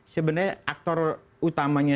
sebenarnya aktor utamanya